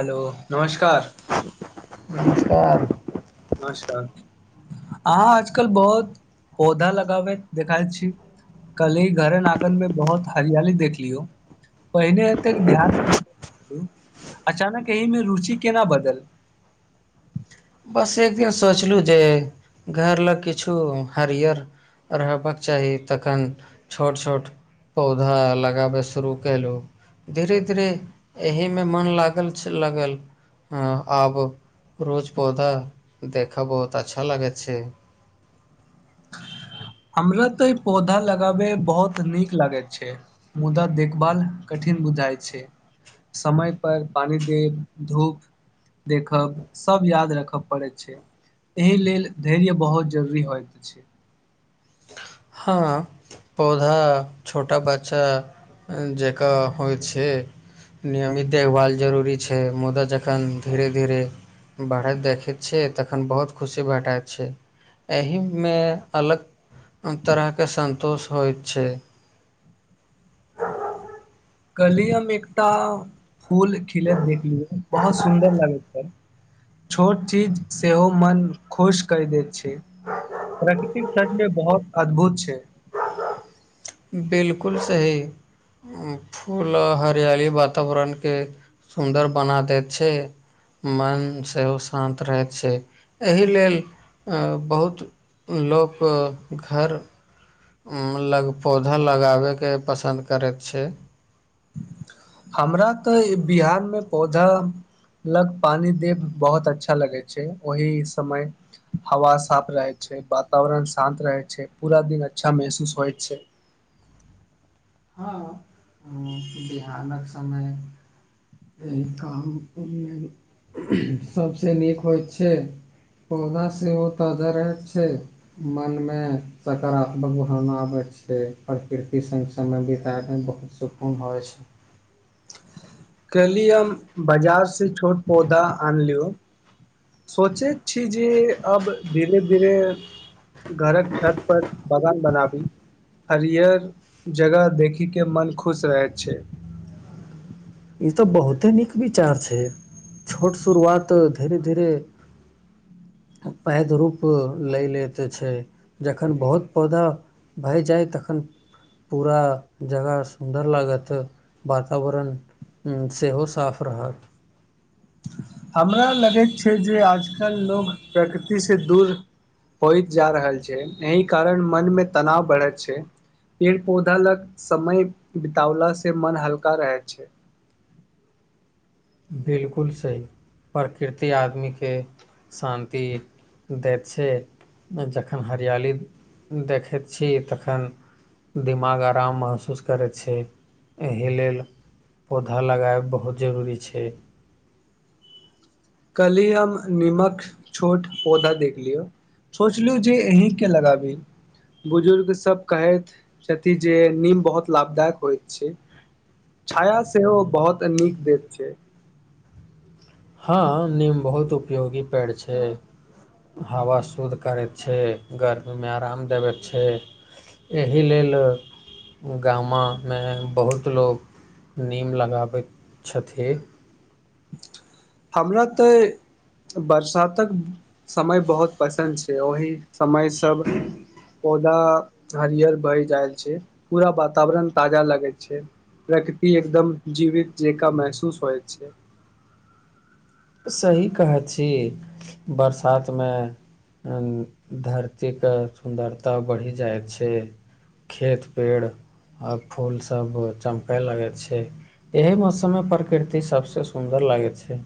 Hello नमस्। नमस्कार। नमस्कार अहाँ आजकल बहुत पौधा लगाबैत देखाइत छी कली घरे आगन मे बहुत हरियाली देखलियौ पहिने एते ध्यान अचानक एहि मे रुचि केना बदल। बस एक दिन सोचलहुँ जे घर लग किछु हरियर रहबाक चाही तखन छोट छोट पौधा लगाबै शुरू केलहुँ धीरे धीरे एहिमे मन लागल लागल आब रोज। पौधा देखा बहुत अच्छा लागे छै। हमरा तऽ ई पौधा लगाबय बहुत नीक लागैत छै मुदा देखभाल कठिन बुझाइ छै समय पर पानि देब धूप देखब सब याद राखय पड़ैत छै एहि लेल धैर्य बहुत जरूरी होइत छै। हँ पौधा छोटा बच्चा जकाँ होइ छै नियमित देखभाल जरूरी छै मुदा जखन धीरे धीरे बढ़ैत देखैत छैियै तखन बहुत खुशी भेटाइत छै एहिमे अलग। तरहके सन्तोष। होइ छै। कली हम एकटा फूल खिलैत देखलियै बहुत सुन्दर लगैत छै छोट चीज सेहो मन खुश कर दैत छै प्रकृतिक सचमे बहुत अद्भुत छै। बिल्कुल सही फूल हरियाली वातावरणके सुन्दर बना दैत छै मन सेहो शान्त रहैत छै एहि लेल बहुत लोक घर। लग पौधा लगाबयके पसन्द करै छै। हमरा तऽ बिहारमे पौधा लग पानी देब बहुत अच्छा लगै छै ओहि समय हवा साफ रहै छै वातावरण शान्त रहै छै पूरा। दिन अच्छा महसूस होइ छै। ह बिहानक समय एहि काम सबस नीक होइ छै पौधा सेहो ताजा रहैत छै मनमे सकारात्मक भावना आबैत छै प्रकृति। समय बिताबमे बहुत सुकून होइ छै। केलियए बाजारसँ छोट पौधा आन लियौ। सोचै छी जे अब धीरे-धीरे। घरक छत पर। बगान बनाबी हरियर जगह देखिक के मन खुश रहैत छै। ई तऽ बहुते नीक विचार छै छोट शुरुआत धीरे-धीरे पैध रूप लय लेैत छै जखन बहुत पौधा भय जाय तखन पूरा जगह सुन्दर लागत वातावरण। हूँ सेहो साफ रहत हमरा लगैत छै जे आजकल लोग प्रकृति से दूर होइत जा रहल छै एहि कारण मनमे तनाव बढ़ैत छै पेड़ पौधा लग समय बितावला से मन हल्का रहैत छै बिल्कुल सही प्रकृति आदमीके शान्ति दैत छै जखन हरियाली देखैत छी तखन दिमाग आराम महसूस करैत छै एहि लेल पौधा लगायब बहुत जरूरी छै ख [inaudible] कलहि हम नीमक छोट पौधा देखलियौ सोचलहु जे अहीके लगाबी बुजुर्गसभ कहैत छथि जे नीम बहुत लाभदायक होइत छै छाया सेहो बहुत नीक देैत छै हँ नीम बहुत उपयोगी पेड़ छै हवा शुद्ध करैत छै गर्मीमे आराम देबय छै एहि लेल गामामे बहुत लोक नीम लगाबैत छथिन हमरा तऽ बरसातक समय बहुत पसन्द छै ओहि समय सब पौधा हरियर बहि जाय छै पूरा वातावरण ताजा लगे छै प्रकृति एकदम जीवित जंका महसूस होइत छै सही कहै छी बरसातमे धरतीके सुन्दरता बढ़ि जाइ छै खेत पेड़ आ फूलसभ चमकय लगै छै एहि मौसममे प्रकृति सभसँ सुन्दर लागै छै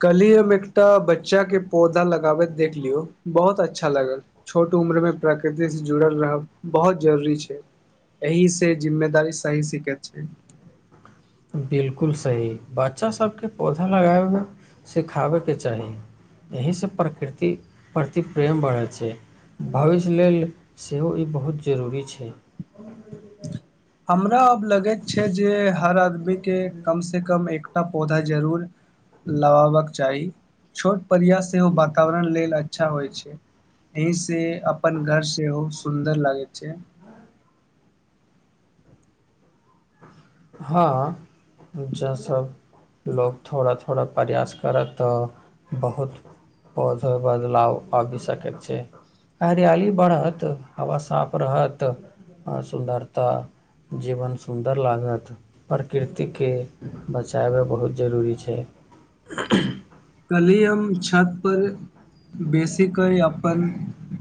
कालिह हम एकटा बच्चा के पौधा लगाबैत देख लियौ बहुत अच्छा लागल छोट उम्र मे प्रकृति से जुड़ल रहब बहुत जरूरी छै एहि से जिम्मेदारी सही सीखैत छै बिल्कुल सही बच्चा सभके पौधा लगाबै सिखाबैके चाही एहिसँ प्रकृति प्रति प्रेम बढ़ै छै भविष्य लेल सेहो ई बहुत जरूरी छै हमरा आब लगैत छै जे हर आदमी के कम से कम एक एकटा पौधा जरूर लगाबके चाहि छोट प्रयास सेहो वातावरण लेल अ अच्छा होइ छै अहि से अपन घर सेहो सुन्दर लागे छै हँ जं सभ लोको थोड़ा थोड़ा प्रयास करत तऽ बहुत पौधा बदलाव आबि सकैत छै हरियाली बढ़त हवा साफ रहत आ सुन्दरता जीवन सुन्दर लागत प्रकृतिके बचाबै बहुत जरूरी छै कलिह हम छत पर बेसी के अपन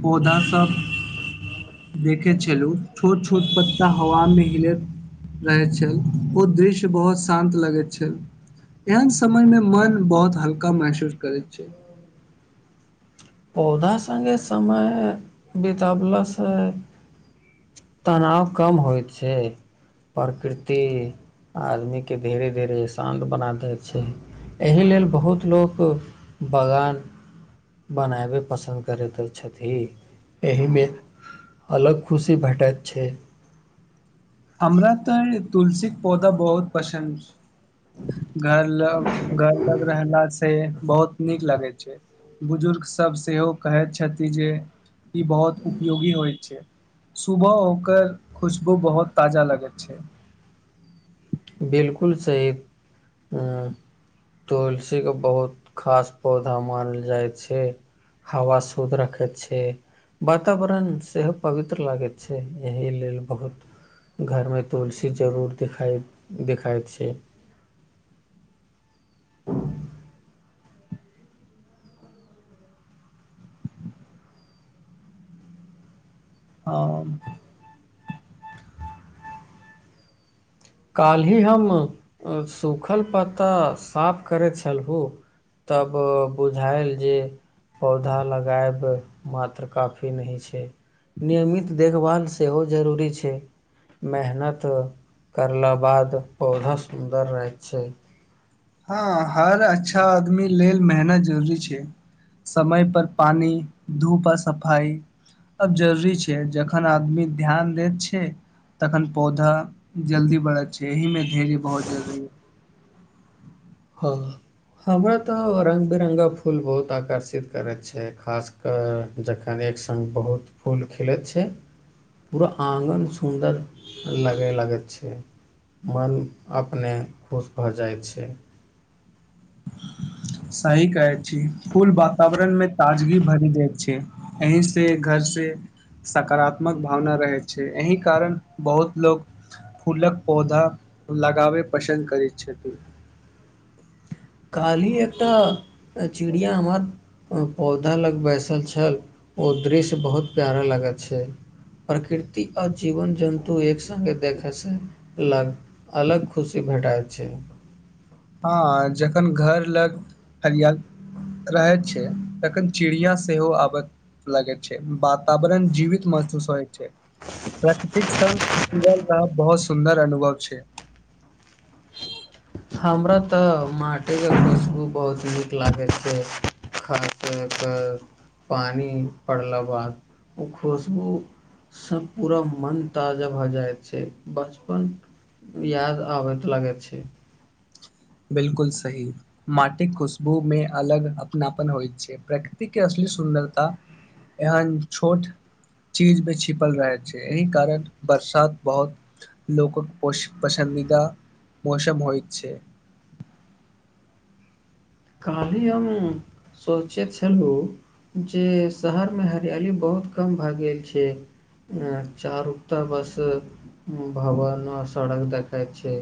पौधा सब देखे छलहु छोट छोट पत्ता हवा मे हिलैत रहैत छल ओ दृश्य बहुत शान्त लगैत छल एहन समय मे मन बहुत हलका क महसूस करै छै पौधा सङ्गे समय बितबलासँ तनाव कम होइत छै प्रकृति आदमीकेँ धीरे धीरे शान्त बना दै छै एहि लेल बहुत लोक बगान बनाबे पसन्द करैत छथि एहिमे अलग खुशी भेटैत छै हमरा तऽ तुलसीक पौधा बहुत पसन्द घर लग घरलग रहना से से बहुत नीक लगै छै बुजुर्ग सब सेहो कहैत छथि जे ई बहुत उपयोगी होइ छै सुबह होकर खुशबू बहुत ताजा लगै छै बिल्कुल सही हूँ तुलसीे बहुत खास पौधा मानल जाइ छै हवा शुद्ध रखैत छै वातावरण सेहो पवित्र लागैत छै एहि लेल बहुत घरमे तुलसी जरूर दिखाइ देखाइत छै हँ काल्हि हम सूखल पत्ता साफ करैत छलहु तब बुझायल जे पौधा लगायब मात्र काफी नहि छै नियमित देखभाल सेहो जरूरी छै मेहनत करला बाद पौधा सुन्दर रहैत छै हँ हर अच्छा आदमी लेल मेहनत जरूरी छै समय पर पानी धूप पर सफाई सब जरूरी छै जखन आदमी ध्यान देैत छै तखन पौधा जल्दी बढ़त छै एहि मे बहुत जरूरी हँ हमरा तऽ रङ्ंगग बिरङ्गक फूल बहुत आकर्षित करैत छै खास कऽ जखन एक सङ्ग बहुत फूल खिलैत छै पूरा आङ्गन सुन्दर लगय लगैत छै मन अपने खुश भऽ जाइत छै सही कहै छी फूल वातावरण मे ताजगी भरि जाय छै एहि से घर से सकारात्मक भावना रहै छै एहि कारण बहुत लोको फूलक पौधा लगाबै पसन्द करैत छथिन काल्हि एकटा चिड़िया हमर पौधा लग बैसल छल ओ दृश्य बहुत प्यारा लगैत छै प्रकृति आ जीवन जन्तु एक सङ्गे देखयसँ अगल अलग खुशी भेटाइत छै हँ जखन घर लग हरियाल रहैत छै तखन चिड़िया सेहो आबत लगै छै वातावरण जीवित महसूस होइ छै प्राकृतिक सङ्ग जीवल रहै बहुत सुन्दर अनुभव छै हमरा तऽ माटिके खुशबू बहुत नीक लागैत छै खास कऽ कऽ पानि पड़लााक बाद ओ खुशबूसँ पूरा मन ताजा भऽ जाइत छै बचपन याद आबैत लागैत छै बिल्कुल सही माटिक खुशबू मे अलग अपनापन होइत छै प्रकृति के असली सुन्दरता एहन छोट चीज मे छिपल रहैत छै एहि कारण बरसात बहुत लोकक पो पसन्दीदा मौसम होइत छै काल्हि हम सोचैत छलहुँ जे शहरमे हरियाली बहुत कम भए गेल छै ऐं चारुकता बस भवन आ सड़क देखैत छै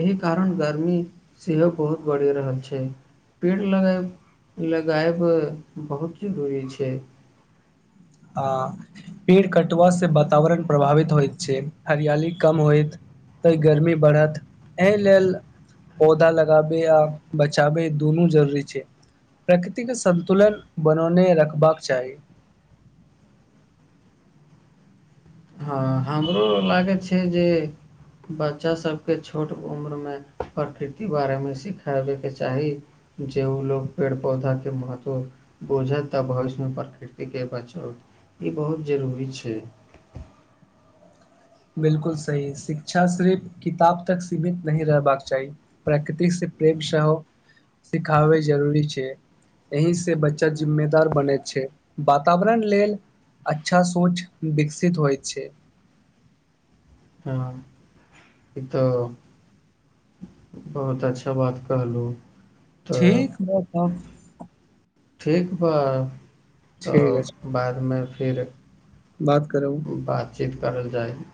एहि कारण गर्मी सेहो बहुत बढ़ि रहल छै पेड़ लगए लगायब बहुत जरूरी छै आ पेड़ कटुआसँ वातावरण प्रभावित होइत छै हरियाली कम होयत तऽ गर्मी बढ़त एहि लेल पौधा लगाबय आ बचाबय दुनू जरूरी छै प्रकृतिक संन्तुलन बनौने रखबाक चाही हँ हमरो लागैत छै जे बच्चासभके छोट उम्रमे प्रकृति बारेमे सिखाबयके चाही जे ओ लोग पेड़ पौधाके महत्व बुझत तऽ भविष्यमे प्रकृतिके बचत ई बहुत जरूरी छै बिल्कुल सही शिक्षा सिर्फ किताब तक सीमित नहि रहबाक चाही प्रकृतिक से प्रेम सेहो सिखाबै जरूरी छै एहि से बच्चा जिम्मेदार बनैत छै वातावरण लेल अच्छा सोच विकसित होइ छै हँ ई तऽ बहुत अच्छा बात कहलू तऽ ठीक बहुत ठीक बा ठीक अछि तऽ बादमे फेर बात करब बातचीत करल जाहि [inaudible]